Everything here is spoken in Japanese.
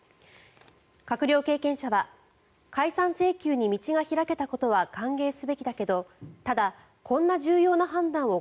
閣僚経験者は解散請求に道が開けたことは歓迎すべきだけどただ、こんな重要な判断を